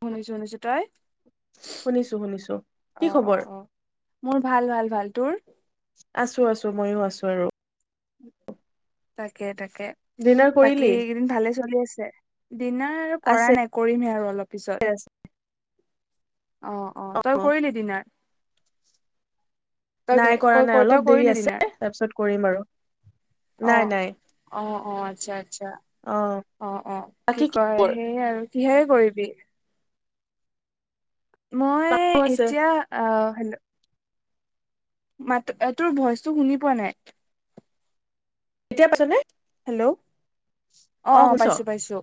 শুনিছো শুনিছো তই শুনিছো শুনিছো কি অ অ খবৰ অ মোৰ ভাল ভাল ভাল? তোৰ। আছো আছো ময়ো আছো আৰু। তাকে তাকে ডিনাৰ বাকী কৰিলি কেইদিন ভালে চলি আছে? চে। ডিনাৰ আৰু কৰা আছে নাই কৰিমহে আৰু অলপ পিছত? আছে অ অ তই কৰিলি দিনাৰ। নাই কৰা নাই তই অলপ দেৰি কৰিলি ডিনাৰ আছে তাৰপিছত কৰিম আৰু অ নাই নাই? অ অ আচ্ছা? অ অ অ কি বাকী কয় খবৰ সেই আৰু। কিহে কৰিবি? মই মাংস আছে এতিয়া অ। ভা ল। মাত তোৰ ভইচটো শুনি পোৱা নাই? এতিয়া পাইছনে? হেল্ল' অ অ পাইছো পাইছো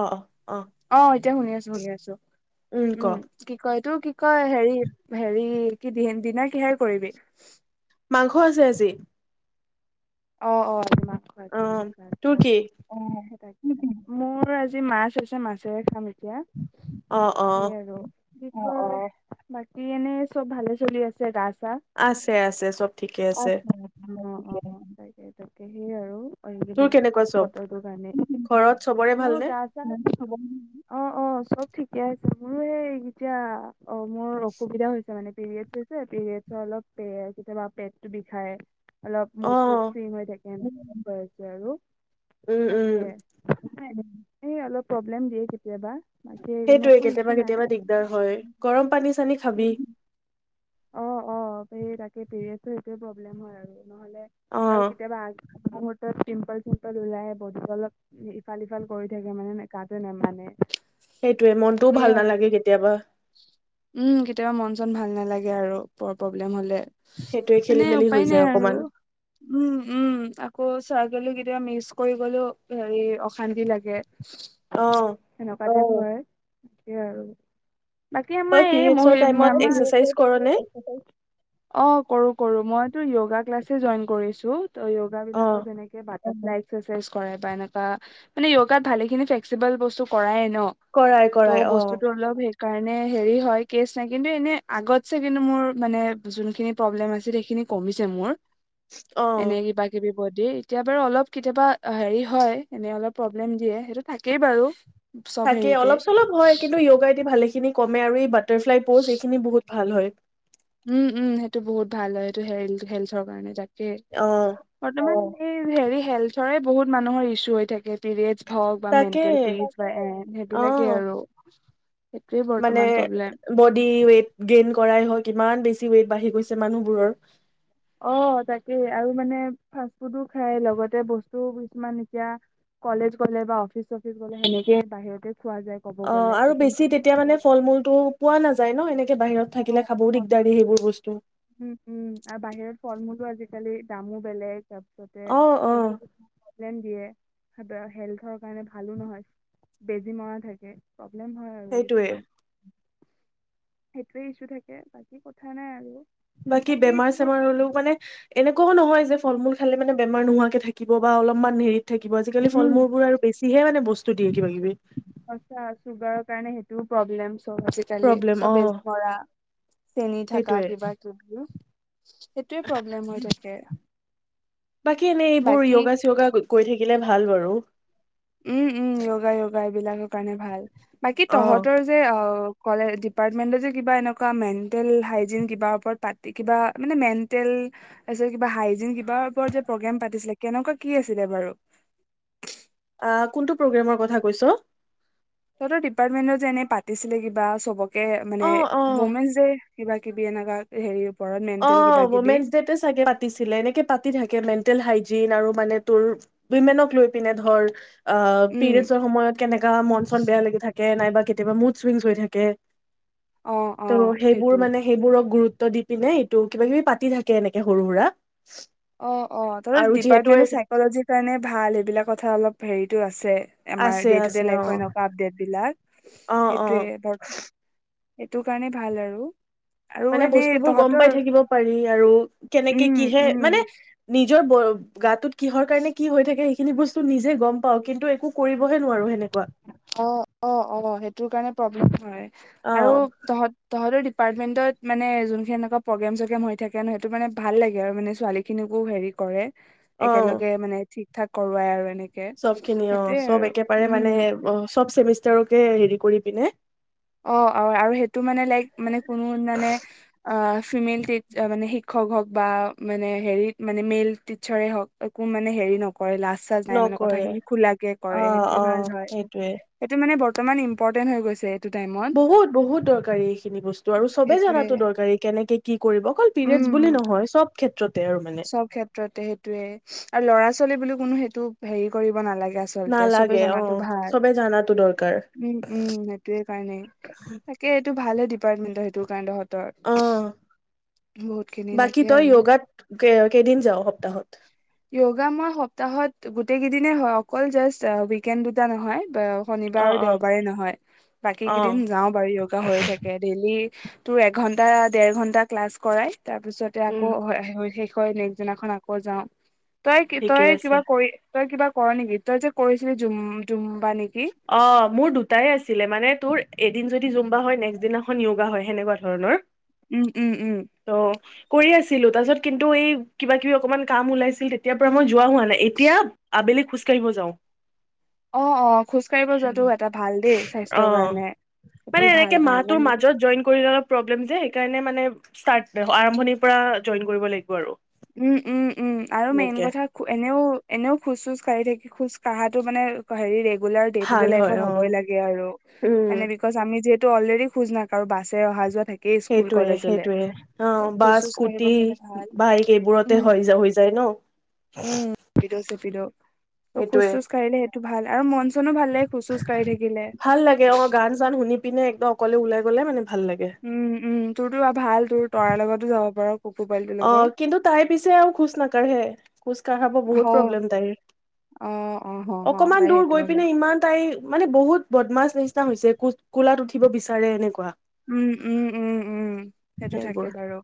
অ অ অ আহ। এতিয়া শুনি আছো শুনি আছো? উম কি কয়? তোৰ কি কয় হেৰি হেৰি কি দিনা কিহেৰে কৰিবি? মাংস আছে আজি? অ অ। [unintelligible] অ তোৰ কি [unintelligible] মোৰ আজি মাছ আছে মাছেৰে খাম? এতিয়া অ অ সেই আৰু অ বাকী এনে চব ভালে চলি আছে ৰাস আছে আছে চব ঠিকে আছে। ত তাকে সেই আৰু। কৰি তোৰ কি কেনেকুৱা চব বতৰটো কাৰণে ঘৰত চবৰে মোৰ ভালনে গা আছ ন অ অ চব ঠিকে আছে মোৰো এই এতিয়া অ মোৰ অসুবিধা হৈছে মানে পিৰিয়ড হৈছে পিৰিয়ডৰ অলপ কেতিয়াবা পেটটো বিষাই অলপ অ মুত সুত কেনে গম প আছ আৰু। উম উম সেয়ে অলপ প্ৰব্লেম দিয়ে কেতিয়াবা। বাকী সেইকাৰণে সেইটোৱে একো ইছ্যু কেতিয়াবা নাই কেতিয়াবা দিগদাৰ হয় গৰম পানী চানী খাবি। উম অঁ অঁ সেই তাকে পিৰিয়ডচৰ সেইটোৱে প্ৰব্লেম হয় আৰু নহলে অ আৰু কেতিয়াবা আ মুহুৰ্তত পিম্পল চিম্পল ওলাই বডি অলপ ইফাল সিফাল কৰি থাকে মানে কাজে নেমানে। সেইটোৱে মনটোও সেইয়াই ভাল আৰু নালাগে কেতিয়াবা। উম কেতিয়াবা মন চন ভাল নালাগে আৰু প-প্ৰব্লেম হলে। সেইটোৱে মানে খেলি মেলি উপায় হৈ নাই যায় আৰু অকমান। উম উম আকৌ চোৱা গলে কেতিয়াবা মিকচ কৰি গলো হেৰি অশান্তি লাগে। অ সেনেকুৱা একে আৰু। বাকী তই আমাৰ এই পিৰিয়ডছৰ টাইমত এক্সাৰচাইজ কৰ নে [unintelligible] অ কৰো কৰো মইতো য় ক্লাছে যো কৰিছো ত য়োগা অ বিলাকৰ যেনেকে একচাইজ কৰে বা এনেকুৱা মানে য়োগাত ভালেখিনি ফ্লেক্সিবল বস্তু কৰাই ন কৰাই কৰাই ত' অ বস্তুতো অলপ হে কাৰণে হেৰি হয় কেচ নাই কিন্তু এনে আগতছে কিন্তু মোৰ মানে যোনখিনি প্ৰব্লেম আছিল সেইখিনি কমিছে মোৰ। অ এনেবাকী বি হ দিয়ে এতিয়া বাৰু অলপ কেতিয়াবা হেৰি হয় এনে অলপ প্ৰব্লেম দিয়ে সেইটো থাকেই বাৰু। চব থাকে হেৰিতে অলপ চলপ হয় কিন্তু য়োগাইদি ভাল লাগিছে খিনি কম আৰু এই বাদ বাৰ্লাই'ষ্ট পজ এইখিন বহুত ভাল হয় উম উম সেইটো বহুত ভাল হয় সেইটো হে-হেল্থৰ কাৰণে তাক অ [unintelligible] এই হেৰি হেল্থৰে বহুত মানুহৰ ইচ্ছুহৈ থাকে। পিৰিয়েছ সক তাকে মেণ্টেল পিৰিয়েছ বা এন সেইবিলাকেই অ আৰু সেইটোৱে মানে বৰ্তমান প্ৰব্লেম বডি ৱেইট গেইন কৰাই হওক কিমান বেছি। বে ৱট বাঢ়ি গৈছে মানুহবোৰৰ। অ তাকে আৰু মানে ফাষ্ট ফুডো খাই লগতে বস্তু কিছুমান এতিয়া কলেজ গলে বা অফিচ চফিচ গলে সেনেকেই বাহিৰতে খোৱা যায় ক'ব অ গ'লে আৰু টিফিন বেছি তেতিয়া মানে ফল মূলতটো পোৱা নাযায় ন এনেকে বাহিৰত থাকিলে খাবও দিগদাৰী সেইবোৰ অ বস্তু মোৰটো আজিকালি দামো বেলেগ তাৰ পিছতে অ অ ৰেন্টদিয়ে হেল্থৰ কাৰণে ভালো নহয় বেজি মৰা থাকে। হয় আৰু সেইটোয়ে কিছুমান। [inaudible] সেইটোৱে ইচছ্যু থাকে বাকী কথা নাই আৰু। বাকী বেমাৰ চেমাৰ হ'লেও মানে এনেকুৱাও নহয় যে ফল মূল। খালে মানে বেমাৰ নোহাকে থাকিব বা অলপমান হেৰি। থাকিব আজিকালি উম। ফল মূলবোৰ আৰু বেছিহে মানে বস্তু। বস্তু দিয়ে কিবা কিবি আচ্ছা চুগাৰৰ কাৰণে সেইটোও প্ৰব্লেম। চ আজিকালি প্ৰব্লেম অ চবজ ভৰা চেনি থকা সেইটোয়ে কিবা কিবি। সেইটোয়ে প্ৰব্লেম হয় থাকে। বাকী এনেই এইবোৰ বাকী য়োগা চিয়গা কৰি থাকিলে থাকিলে ভাল বাৰু। উম -উম য়োগা য়োগা এইবিলাকৰ কাৰণে ভাল। বাকী অ তহঁতৰ যে অ' কলেজ ডিপাৰ্টমেন্টত যে কিবা এনেকুৱা মেণ্টেল হাইজিন কিবা ওপৰত পাতি কিবা মানে মেণ্টেল কিব হাইজিন কিবাৰ ওপৰত যে প্ৰগ্ৰেম পাতিছিলে কেনেকুৱা কি আছিলে বাৰু? কোনটো প্ৰগ্ৰেমৰ কথা কৈছ' তহতৰ ডিপাৰ্টমেন্টৰ যে এনে পাতিছিলে কিবা চবকে। অ মানে অ অমেনচ ডে' ৰ কিবা কিবি এনেকা হেৰি। ওপৰত মেণ্টেল অ' কিবা কিবি উমেন ডেতে চাগে পাতিছিলে এনেকে পাতি থাকে মে মেণ্টেন হাইজিন আৰু মানে তোৰ উই মেনক লৈ পিনে ধৰ। অ' উম পিৰিয়ডছৰ সময়ত কেনেকা মন চন বেয়া লাগি থাকে। থে নাইবা কেতিয়াবা মুড চুইংছ হৈ থাকে। অ অ ত' সেইবোৰ সেইটো মানে সেইবোৰক গুৰুত্ব ত দি পিনে এইটো কিবা কিবি পাতি থাকে এনেকে সৰু সুৰা। অ'অ'তহঁতৰ আৰু যিহেতু ডিপাৰ্টমেন্ট টো চাইকজিৰ কাৰণে ভাল সেইবিলাক কথা অলপ হেৰি। টো আছে। আমাৰ আছে দে টু আছে ডে অ লাইফৰ এনেকুৱা আপডেট বিলাক অ অ সেইটোৱে বৰ্তমান। সেইটো কাৰণে ভাল আৰু। আৰু মানে এনে বস্তুবোৰ গম পাই তহঁতৰ থাকিব পাৰি আৰু কেনেকে উম কিহে, উম মানে। নিজৰ গাটোত কিহৰ কাৰণে কি হৈ থাকে খিনি বস্তু নিজে গম পাওঁ কিন্তু একো কৰিবহে নোৱাৰো সেনেকুৱা। অ অ অ সেইটোৰ কাৰণে প্ৰব্লেম হয় অ আৰু তহঁত তহঁতৰ ডপাৰ্টমেণ্টত মানে যোনখিনি এনেকুৱা প্ৰগ্ৰেম চগ্ৰেম হৈ থাকে সেইটো মানে ভাল লাগে আৰু মানে ছোৱালীখিনিকো হেৰি কৰে অ একেলগে মানে ঠিক ঠাক কৰোৱাই আৰু এনেকে- চব খিনি অ সেইটোয়ে চব আৰু একেবাৰে মানে উম অ চব চেমিষ্টাৰকে হেৰি কৰি পিনে অ অ আৰু সেইটো মানে লাইক মানে কোনো মানে অ ফিমেল টি মানে শিক্ষক হওক বা মানে হেৰি মানে মেল টিচাৰে হওক একো মানে হেৰি নক, কৰে লাজ চাজ নাই মানে কথা নকৰে খিনি খোলাকে অ কৰে সেইটোয়ে অ ভাল হয়। সেইটোৱে সেইটো মানে ব ত মানে ইম্পৰ্টেণ্ট হৈ গৈছে। এইটো টাইমত বহুত বহুত দৰকাৰী এইখিনি বস্তু আৰু চবে সেইটোয়ে জানাতো দৰকাৰী, কেনেকে কি কৰিব অকল পিৰিয়ডছ বুলি উম নহয় চব ক্ষেত্ৰত। চব ক্ষেত্ৰতে সেইটোয়ে আৰু ল'ৰা ছোৱালী বুলি ক কোনো সেইটো হেৰি কৰিব নালাগে। আচলতে চবে নালাগে অ জনাটো ভাল, চবে জানাতো দৰকাৰ উম উম সেইটোয়ে, কাৰণেই তাকে এইটো ভালে ডিপাৰটমেণ্ট সেইটো কাৰণত অ খিনি বাকী তাকে তই আৰু যোগাত কেইদিন যাওঁ সপ্তাহত? য়োগা মই সপ্তাহত গোটেই কেইদিনে হয় অকল জাষ্ট উইগেন দুটা নহয়। শনিবাৰ অ আৰু অ দেওবাৰে নহয়, বাকী অ কেইদিন যাও বাৰু যোগা হৈ থাকে ডেইলি, তোৰ এঘন্টা দেৰ ঘন্টা ক্লাছ কৰাই তাৰপিছতে আকৌ উম হয়। হয় নেক্স দিনাখন আকৌ যাওঁ। তই কি ঠিকে তই আছে কিবা কৰি। তই কিবা কৰ নেকি তই যে কৰিছিলি জুম জুমু অ' মোৰ দুটাই আছিলে মানে তোৰ এদিন যদি দি জুম্বা হয় নেক্সট দিনাখন য়োগা হয়। হেনেকোৱা ধৰণৰ উম উম উম ত কৰি আছোঁ‌। ছিলো তাৰ পিছত কিন্তু এই কিবা কিবি অকনমান কাম ওলাইছিল। তেতিয়াৰ পৰা মই যোৱা হোৱা নাই। এতিয়া আবেলিত খোজকাঢ়িব যাওঁ। অ অ খোজ কাঢ়িব যোৱাটো এটা ভাল দেই স্বাস্থ্যৰ অ' কাৰণে সেইটো মানে ভাল এনেকে ভাল মাহটো মানে মাজত জইন কৰিলে প্ৰব্লেম যে সেইকাৰণে। ষ্টাটটো মানে আৰম্ভণিৰ পৰা জইন কৰিব লাগিব আৰু উম উম উম আৰু মেইন এনেকে কথা এনেও এনেও খোজ চোজ কঢ়ি থাকি। খোজ কঢ়াটো মানে হেৰিৰে গোটেই ভাল পৃথিৱীৰ হয় লাইফত অ হ'ব লাগে আৰু উম বিকছ আমি যে তটো অলৰেডি খোজ নাকাঢ়ো আৰু বাছে অহা যোৱা থাকে। সেইটোয়ে সেইটয়ে অ' খোজ বাছ চোজ কাঢ়িব স্কুটি পালে ভাল বাইক। সেইবোৰতে হৈ উম যায় ন উম চেপিডো চেপিডো ত' খোজ সেইটোৱে। চোজ কাঢ়িলে ভাল আৰু মন চনো ভাল লাগে খোজ চোজ কাঢ়ি থাকিলে ভাল লাগে অ' গান চান শুনি পিনে একদম অকলে ওলাই গ'লে মানে। ভাল লাগে উম উম তোৰতো ভাল তোৰ তৰাৰ লগতো যাব পাৰ। কুকু পোৱালিটোৰ অ' লগত কিন্তু তাই পিছে আৰু খোজ নাকাঢ়ে খোজ। কঢ়াব হ বহত প্ৰব্লেম তাই। অ' অ' অ' তাই সেইটো পিনে ইমান মানে বহুত বদমাছ নিচিনা হৈছে ক কোলাত উঠিব বিচাৰে এনেকুৱা। উম উম উম উম সেইটো থাকে সেইবোৰ বাৰু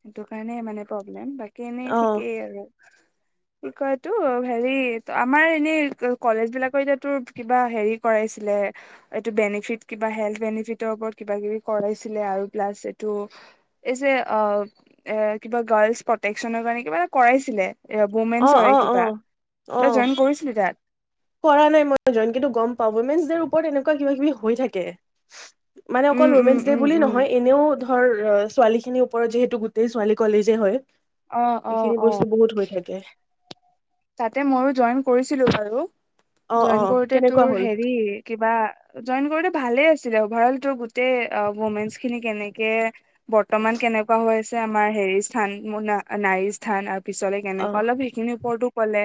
সেইটো কাৰণে মানে প্ৰব্লেম। কেনেই অ ঠিকেই আৰু। কি কটো হেৰি আমাৰ এনে কলেজ বিলাকৰ এতিো কিবা হেৰি কৰাইছিল এইটো বেনিফি কিবা হেল বেনিফিটৰ ওপৰত কিবা কিবি কৰাইছিলে আৰু প্লাছ এইটো এই যে অ এ কিবা গাৰ্লছ প্ৰটেকচনৰ কাৰণে কিবা এটা কৰাইছিলে। অ', ৰোবোমেনছ হয় অ', কিবা অ', তই অ', জইন কৰিছিলি তাত কৰা নাই মই জইন কিন্তু গম পাওঁ হিউমেন ডে পৰত এনেকুৱা কিবা কিবি হৈ থাকে। মানে উম অকল উম উমেন ডে উম বুলি উম নহয় এনেও। ৰ ছোৱালী খিনিৰ ওপৰত যিহেতু গোটেই ছোৱালী কলেজে হয়। অ অ এইখিনি অ বস্তু বহুত হৈ থাকে। তাতে মইো জইন কৰিছিলো। আৰু অ', জইন অ', কৰোঁতে কেনেকুৱা তুৰ হ'ল হেৰি কিবা জইন কৰোঁতে ভালে আছিল। অভাৰ অল তো গোটেই মৌমেনছ খিনি কেনেকে বৰ্তমান কেনেকুৱা হৈ আছে আমাৰ হেৰি স্থান নাৰী স্থান আৰু। পিছলে কেনেকুৱা অ', অলপ সেইখিনিৰ ওপৰতো কলে।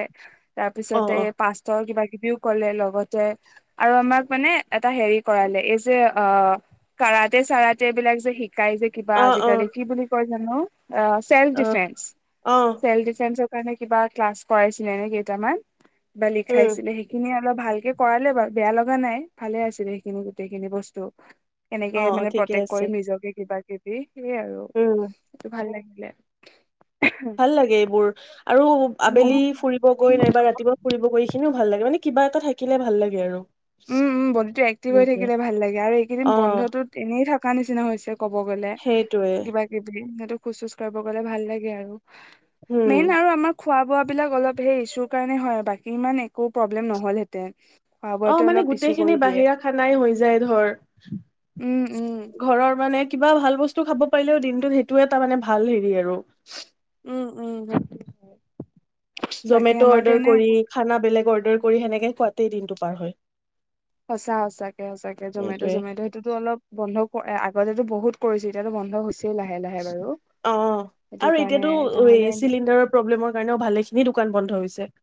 তাৰ অ', পিছতে অ', পাষ্ট্তৰ কিবা, কলে লগতে আৰু আমাক মানে এটা হেৰি কৰালে, এই যে অ কাৰাতে চাৰতে এইবিলাক যে শি যে কিবা অ', আজিকালি অ', কি বুলি কয়? হ ন [unintelligible] ছেলফ অ', ডিফেন্স অ ছেল্ফ ডিফেন্ [unintelligible] মানে কিবা ক্লছ। কৰাই ছিলে নে কেইটামান? বা উম, লিখাইছিলে সেইখিনিয়ে। অলপ ভালকে কৰালে বাৰু। বেয়া লগা নাই ভালে আছিলে সেইখিনি গোটেই খিনি বস্তু। কেনেকে অ', মানে ঠিকে প্ৰটেক্ আছে কৰিম নিজকে কিবা। ি [unintelligible] সেইয়ে আৰু উম, সেইটো ভাল লাগে। এ ভাল লাগে এইবোৰ আৰু। উম আবেলি ফুৰিব গৈ নাইবা ৰাতিপুৱা ফুৰিব গৈ কিনিও ভাল লাগে ন। মানে কিবা এটা থাকিলে ভাল লাগে আৰু। উম উম বডিটো এক্টিভ হৈ উম, থাকিলে ভাল লাগে আৰু এইকেইদিন অ', বন্ধটোত এনেই থাকো। নিচিনা হৈছে। কব গ'লে সেইটোৱে কিবা কিবি। টো খোজ চোজা কাঢ়িব গলে ভাল লাগে আৰু। উম। মেইন আৰু আমাৰ। খোৱা বোৱাবলাক অলপ সেই ইচুৰ কাৰণে হয় বাকী ইমান একো প্ৰব্লেম নহল হেতেন। অ মানে গোটেই খিনি বাহিৰা খানাই হৈ যায় ধৰ উম উম ঘৰৰ মানে, কিবা ভাল বস্তু খাব পাৰিলেও, দিনটোত সেইটোয়ে এটা মানে ভাল হেৰি আৰু উম উম। বাকী জমেট আমাৰতো অৰ্ডাৰ এনে কৰি একো খানা বেলেগ অৰ্ডাৰ। কৰি সেনেকে খুৱতেই দিনটো পাৰ হয়। সঁচা সঁচাকে সঁচাকে জমেট সেইটোয়ে চমেট' সেইটোতো অলপ বন্ধ আগতে তো বহুত? কৰিছিল? অ সেইটো আৰু কাৰণে এতিয়াতো নহ'লে এনে চিলিণ্ডাৰৰ প্ৰব্লেমৰ কাৰণেও ভালে খিনি দোকান বন্ধ হৈছে। একাক।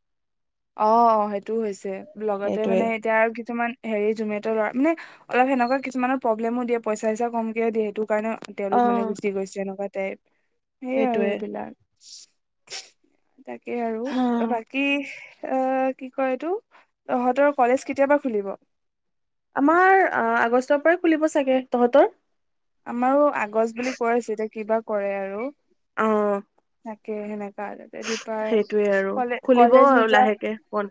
অ অ সেইটোও হৈছে লগতে সেইটোৱে মানে এতিয়া আৰু কিছুমান? হেৰি জমেট' লৰা মানে অলপ সেনেৱা কিছুমানৰ প্ৰব্লেমো দিয়ে পইচা চইচামকে দিয়ে সেইটো? কাৰণে অ তেওঁলোক মানে গুচি গৈছে এনেকুৱা? টাইপ? সেই আৰু সেইটোৱে এই বিলাক? [inaudible] [unintelligible] তাকে আৰু হা বাকী। এ কি কয় এইটো তহঁতৰ কলেজ কেতিয়াপা খুলিব? আমাৰ আগষ্টৰ পৰাই খুলিব চাগে তহঁতৰ? আমাৰো? আগষ্ট বুলি কৈ আছে এতিয়া কিবা? কৰে আৰু। অ, তাকে সেনেকে? কাৰণতে সেইটোয়ে দিপাৰ আৰু কলেজ খুলিব কলেজ আৰু নোযোৱা? লাহেকে বন্ধ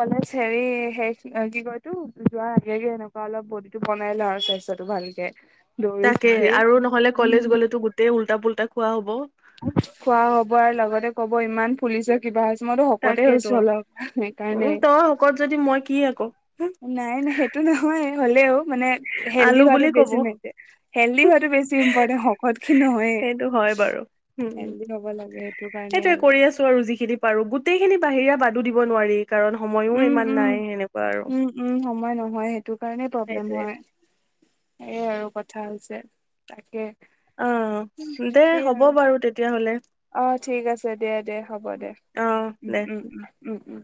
কলেজ হেৰি শেষ কি কয় এইটো যোৱাৰ আগে আগে এনেকুৱা অলপ বডি টো বনাই লওঁ আৰু টাৰছত। টো ভালকে। দৌৰি তাকে চৌৰি আৰু নহলে কলেজ গ'লেতো গোটেই ওল। উল্টা পুল্টা খোৱা হ'ব। খোৱা হ'ব আৰু লগতে কব ইমান ফুলিছে কিবা আছে? তাকেইতো উ তই শকত যদি মই কি আক। [inaudible] [unintelligible] নাই নাই সেইটো নহয়? হ'লেও। মানে হেল্ডি আলু বুলি হোৱাটো কব বেছি মেনটাইন হেল্ডি হোৱাটো বেছি ইম্পৰ্টেনট শকতক ক্ষিন নহয় সেইটো হয় বাৰু উম উম হেলডি হব লাগে সেইটো কাৰণে সেইটোয়ে আৰু? কৰি দি দিব নোৱাৰি? কাৰণ সময়োও উম ইমান নাই সেনেকুৱা আৰু। মই। সটো কাৰণেই প্ৰব্লেম সেইটোয়ে হয় হেই আৰু কথা হৈছে? তাকে? অ দে সেই হ'ব আৰু বাৰু তেতিয়াহলে অ ঠিক আছে দিয়া দে হ'ব দে অ উম দে উম উম উম উম